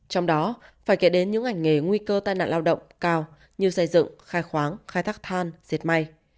trong đó phải kể đến những ngành nghề nguy cơ tai nạn lao động cao như xây dựng khai khoáng khai thác than diệt may